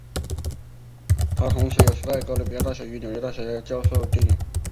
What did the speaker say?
他同时也在哥伦比亚大学与纽约大学教授电影。